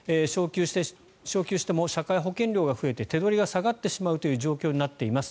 昇給しても社会保険料が増えて手取りが下がってしまうという状況になっています。